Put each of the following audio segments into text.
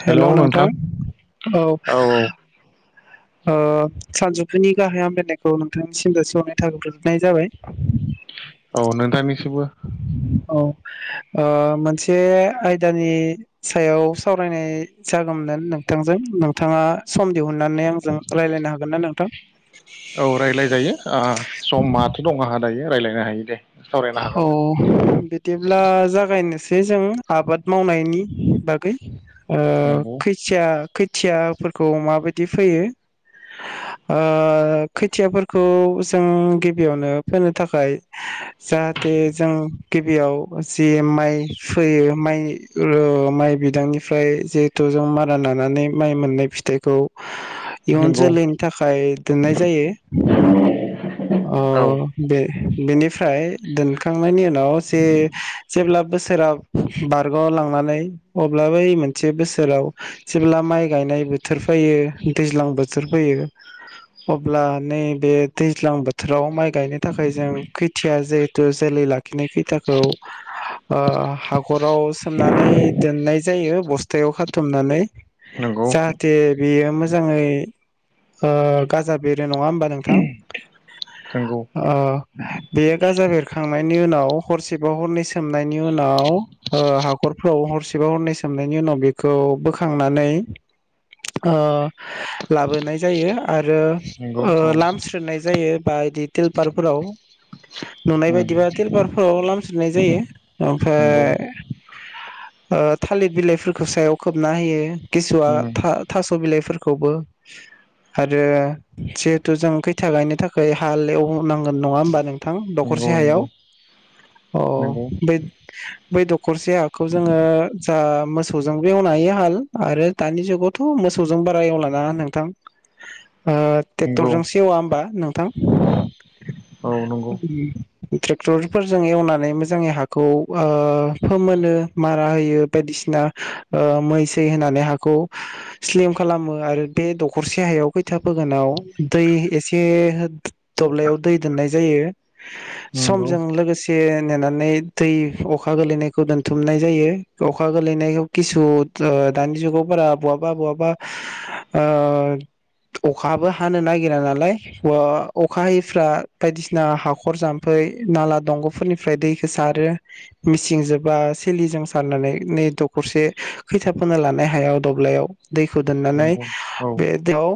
हेल नोंथां औ अ सानजु फुनि गाहाम हामलायनायखो औ नोंथां सिम जासिहरनाय थाग्रोनाय जाबाय थांनिसिमबो औ ओ मोनसे आयदानि सायाव सावरायनाय जागौमोन नोंथांजों नोंथाङा सम दिहुननानै आंजों रायज्लायनो हागोन ना नोंथां औ रायज्लायजायो ओ समाथ दं आंहा दायो रायज्लाय हायो दे सावरायनो औ हागोन नों बिदिब्ला जागायनो बे जों आबाद मावनायनि बागै ओ नंगौ खैथिया खोथियाफोरखौ माबायदि फैयो ओ खोथियाफोरखौ जों गिबियावनो फोनो थाखाय जाहाथे जों गिबियाव जि माइ फैयो माइ ओ माइ बिदांनिफ्राय जिहेथु जों मारा नानानै माइ मोननाय फिथाइखौ इयुन नंगौ जोलैनि थाखाय दोननाय जायो औ अ बे बेनिफ्राय दोनखांनायनि उनाव जे जेब्ला बोसोरा बारग लांनानै अब्लाबो मोनसे बोसोराव जेब्ला माइ गायनाय बोथोर फैयो दैज्लां बोथोर फैयो अब्ला नैबे दै ज्लां बोथोराव माइ गायनो थाखाय जों खैथिया जिहेथु जोलै लाखिनाय खैथाखौ ओ हाखराव सोमनानै दोननाय जायो बस्थायाव खाथुमनानै नंगौ जाहाथे बेयो मोजाङै ओ गाजा बेर रो नङा होनबा नोंथां नंगौ अ बेयो गाजा बेरखां थांनायनि उनाव हरसेबा हरन सोम नायनि उनाव ओ हाखरफ्राव हरसे हरसे बा हरनै सोमनायनि उनाव बेखौ बोखांनानै ओ लाबोनाय जायो आरो नंगौ औ ओ लामस्रो नाय जायो बा बिदि तिलपारफोराव नुनाय उम बायदिबा तिलपारफोराव लामस्रोनाय जायो नंगौ ओमफ्राय ओ थालिर बिलाइफोरखौ सायाव खोबना होयो किसुवा उम था थास' बिलाइफोरखौ खौबो आरो जिहेथु जों खै थिया गायनो थाखाय हाल एवनांगोन नङा होनोमबा नों थां दखरसे नंगौ नंगौ हायाव अ नंगौ बै बै दखरसे हाखौ जोङो जा मोसौजोंबो एवनो हायो हाल आरो दानि जुगावथ' मोसौजों बारा एवलानाङा नोंथां ओ नंगौ नंगौ तेक्तरजों औ होमबा नोंथां औ नंगौ [unintelligible] ट्रेक्टरफोरजों एवनानै मोजाङै हाखौ ओ फोमोनो मारा होयो बायदिसिना मै सै होनानै हाखौ स्लिम खालामो आरो बे दखरसे हायाव खैथा फोगोनाव दै एसे दब्लायाव दै दोननाय जायो उम समजों लोगोसे नेनानै दै अखा गोलैनायखौ दोनथुमनाय जायो अखा गोलैनायाव किसु दा-दानि बारा जुगाव बहाबा बहाबा ओ अखाबो हानो नागि गिरा नालाय अ-अखा हायैफ्रा बायदिसिना हाखर जाम्फै नाला दंग'फोरनिफ्राय दैखौ सारो मिसिंजोबा सिलिजों सारनानै नै दखरसे खैथा फोनो लानो हाया दब्लायाव दैखौ दोननानै बे दैयाव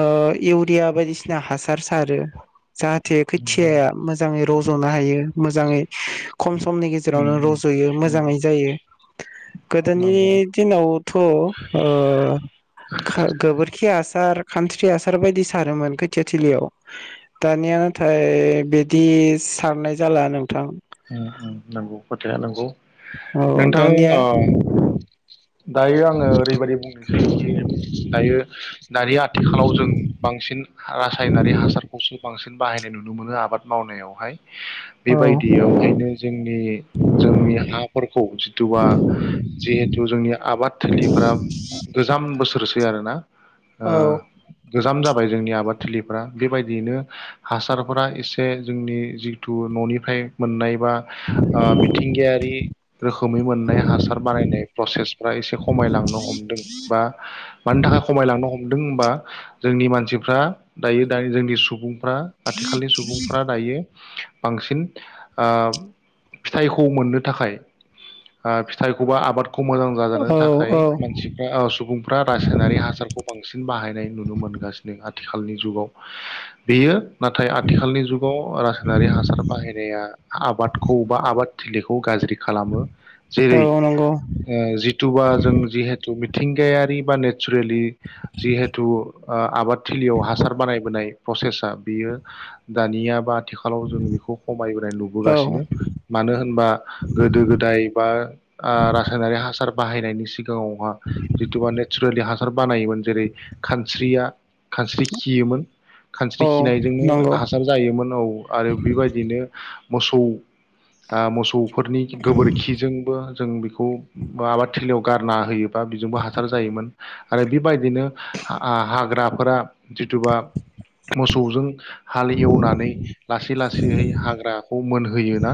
ओ एव या बायदिसिना हासा सार सारो जाहाथे खोथिया मोजां स'नो हायो मोजाङै खम समनि गेजेरावनो उम रज'यो उम मोजाङै जायो गोदोनि नंगौ दिनावथ' ओ खार गोबोरखि हासार खानस्रि हासार बायदि सारोमोन खोथियाथिलियाव दानिया नाथाय बिदि सारनाय जाला नोंथां उम उम नंगौ फोथाया नोंगौ औ दानिया दायो आङो ओरैबायदि बुंनोसै खि दायो दानि आथिखालाव जों बांसिन रासायनारि हासारखौसो बांसिन बाहायनाय नुनो मोनो आबाद मावनायावहाय औ बेबायदियाव ओखायनो जोंनि जोंनि हाफोरखौ जिथुवा जिहेथु जोंनि आबाद थोलिफोरा गोजाम बोसोरसो आरो ना औ गोजाम जाबाय जोंनि आबादथिलिफ्रा बेबायदियैनो हासारफोरा एसे जोंनि जिथु न'निफ्राय मोननाय बा ओ मिथिंगायारि रोखोमै मोननाय हासार बानायनाय प्रसेसफ्रा एसे खमायलांनो हमदों बा मानि थाखाय खमायलांनो हमदों होनबा जोंनि मानसिफ्रा दायो दानि जोंनि सुबुं फोर्रा आथिखालनि सुबुंफ्रा दायो बांसिन ओ फिथाइखौ मोननो थाखाय ओ फिथाइखौबा आबाद खौ मोजां जाजानो औ थाखाय औ मानसिफ्रा ओ सुबुंफ्रा रासायनारि हासारखौ बांसिन बाहायनाय नुनो मोनगासिनो आरो आथिखालनि जुगाव बेयो नाथाय आथिखालनि जुगाव रासायनारि हासार बाहायनाया आबादखौ बा आबाद थिलिखौ गाज्रि खालामो जेरै औ नंगौ ओ जिथुुबा जों जिहेथु मिथिंगायारि बा नेचारेलि जिहेथु ओ आबाद थिलियाव हासार बानायबोनाय प्रसेसा बियो दानिया बा आथिखालाव जों बेखौ खमायबोनाय नु औ होबोगासिनो मानो होनबा गोदो गोदाय बा‌ आ रासायनारि हासा सार बाहायनायनि सि खौहा जिथु बा नेचारेलि हासार बानायोमोन जेरै खानस्रिया खानस्रि खियोमोन खानस्रि औ खिनायजोंनो नंगौ हासार जायोमोन औ आरो बेबायदिनो मोसौ आ मोसौ फोरनि गोबोरखिजोंबो जों बेखौ आबादथिलियाव गारना होयोबा बिजोंबो हासार जायोमोन आरो बेबायदिनो हा हाग्राफोरा जिथुबा मोसौजों हाल एवनानै लासै लासैहै हाग्रा मोनहोयोना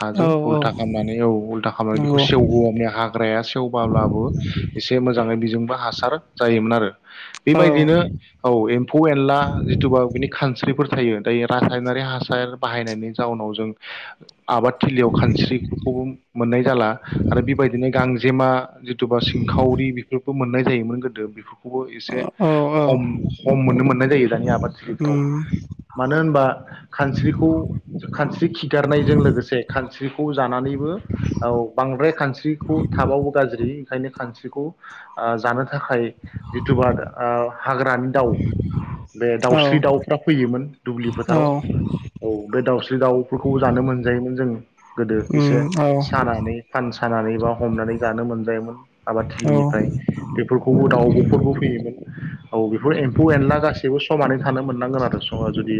हाजों औ औ उल्था खालामनानै औ उल्था खालामनानै बेखौ नंगौ सेवहोवो हाग्राया सेवबाब्लाबो एसे मोजाङै बेजोंबो हासार जायोमोन आरो औ बेबायदिनो औ एम्फौ एनला जिथुबा बिनि खानस्रि फोर थायो दायो रासायनारि हासार बाहायनायनि जाउनाव जों आबाद थिलियाव खानस्रिफोरखौबो मोननाय जाला आरो बेबायदिनो गां [unintelligible] जिथुबा सिंखावरि बेफोरबो मोननाय जायोमोन गोदो बेखौ खौबो एसे औ औ खम खम मोननो मोननाय जायो दानि आबादथिलिफ्राव उम मानो होनबा खानस्रिखौ खानस्रि खिगारनायजों लोगोसे खानस्रिखौ जानानैबो औ बांद्राय खानस्रिखौ थाबाबो गाज्रि ओंखायनो खांस्रिखौ ओ जानो थाखाय जिथुबा ओ हाग्रानि दाउ बे औ दाउस्रि दाउफ्रा फैयोमोन दुब्लि औ फोथाराव औ बे दाउस्रि दाउफोरखौबो जानो मोनजायोमोन जों गोदो एसे उम औ सानानै सानानै बा हमनानै जानो मोनजायोमोन आबाद औ थिलिनिफ्राय बेफोरखौबो दाउब' फोरबो फैयोमोन औ बेफोर एम्फौ एनला गासैबो समानै थानो मोननांगोन आरो जुदि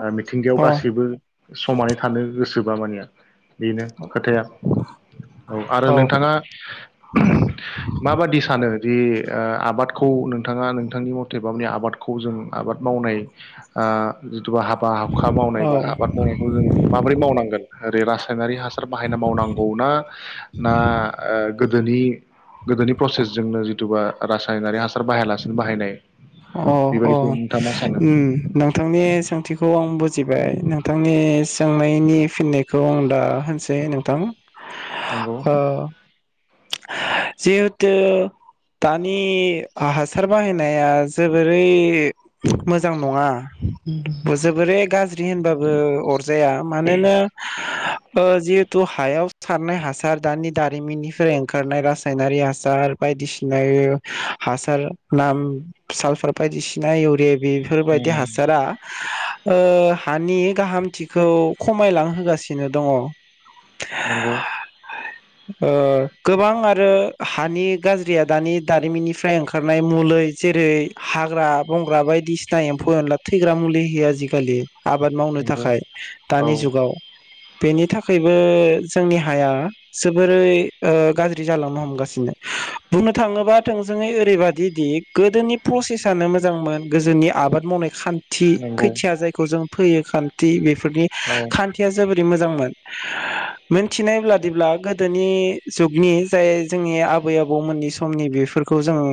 अ अ मिथिंगायाव गासै समानै थानो गोसोबा मानिया बेनो खोथाया औ आरो औ नोंथाङा माबादि सानो दि ओ आबादखौ नोंथाङा नोंथांनि मथे माने आबादखौ जों ओ आबाद मावनाय आ बा हाबा हाबखा मावनाय आबाद मावनायखौ जों माबोरै मावनांगोन रेबासायनारि ह बाहायना मावनांगौ ना गोदोनि गोदोनि प्रसेसजोंनो जिटुबा रासायनारि हासार बाहायालासिनो बाहायनाय अ अ बेबायदिखौ नोंथाङा मा सानो उम नोंथांनि सोंथिखौ आं बुजिबाय नोंथांनि सोंनायनि फिननायखौ आं दा होनसै नोंथां नोंगौ जिहेतु दानि हासार बाहायनाया जोबोरै मोजां नङा जोबोरै गाज्रि होनबाबो अरजाया मानोना ओ जिहेथु हायाव सारनाय हासार दानि दारिमिननिफ य ओंखारनाय रासायनारि हासार बायदिसिना हासार नाम सालफार बायदिसिना इउरि बेफोरबायदि उम हासारा ओ हानि गाहामथिखौ खमायलांहोगासिनो दङ नोंगौ ओ गोबां आरो हानि गाज्रिया दानि दारिमिननिफ्राय ओंखारनाय मुलै जेरै हाग्रा बंग्रा बायदिसिना एम्फौ एनला थैग्रा मुलि होयो आजिखालि आबाद मावनो नंगौ थाखाय औ दानि जुगाव बेनि थाखायबो जोंनि हाया जोबोरै गाज्रि जालांनो हमगासिनो बुंनो थाङोबा थोंजोङै ओरैबादिदि गोदोनि प्रसेस आनो मोजांमोन गोजोनि आबाद मावनाय खान्थि नंगौ खोथिया जायखौ जों फैयो खान्थि बेफोरनि औ खान्थिया जोबोरै मोजांमोन मोनथिनाय बादिब्ला गोदोनि जुगनि जाय जोंनि आ बै आबौमोननि समनि बेफोरखौ जोंनो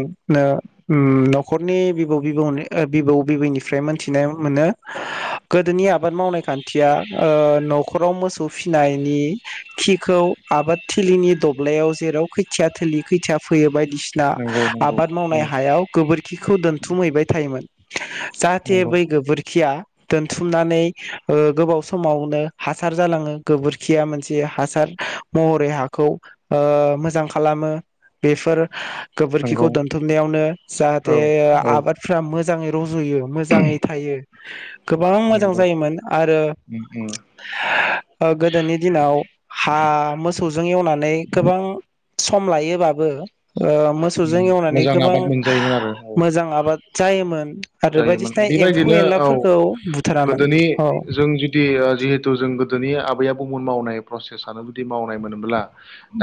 उम न'खरनि बिबौ फिसौ बिबौ बिबैनिफ्राय मोनथिनाय मोनो गोदोनि आबाद मावनाय खान्थिया ओ न'खराव मोसौ फिनायनि खिखौ आबाद थिलिनि दब्लायाव जेराव खोथिया थोलि खोथिया फैयो बाय बायदिसिना नंगौ नंगौ आबाद औ मावनाय हायाव गोबोरखिखौ दोनथुमहैबाय थायोमोन जाहाथे नंगौ बै गोबोरखिया दोनथुमनानै ओ गोबाव समावनो हासार जालाङो गोबोरखिया मोनसे हासार महरै हाखौ ओ‌ मोजां खालामो बेफोर गोबोरखिखौ नंगौ दोनथुमनायावनो जाहाथे औ औ आबादफ्रा मोजां मोजाङै रज'यो मोजाङै थायो गोबां मोजां नंगौ जायोमोन आरो उम उम ओ गोदोनि दिनाव हा मोसौजों एवनानै सम लायोबाबो ओ उम मोसौजों एवनानै मोजां गोबां आबाद मोनजायोमोन आरो औ मोजां आबाद जायोमोन आरो जायोमोन बायदिसिना एम्फौ बेबायदिनो औ एनलाफोरखौ बुथारामोन गोदोनि औ जों जुदि जिहेथु जों गोदोनि आबै आबौ उन मावनाय प्रसेसानो मावनाय मोनोब्ला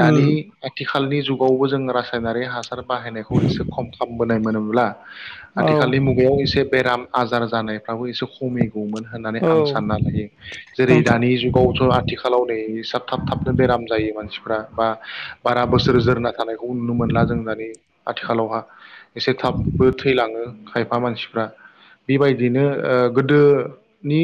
उम आथिखाल खालनि जुगावबो जों रासायनारि हासार आरो बाहायनायखौ एसे खम खालामबोनाय मोनोमो ब्ला औ बेयाव‌ एसे बेराम आजार जानायफ्राबो एसे खमै गौमोन होननानै औ आं सानना लायो जेरै नोंथां दानि जुगावथ' आथिखालाव नै जा‌ थाब थाबनो बेराम जायो मानसि फ्रा बा बारा बोसोर जोरना थानायखौ नुनो मोनला जों दानि आथिखालावहा एसे थाबबो थैलाङो खायफा मानसिफ्रा बेबायदिनो ओ गोदोनि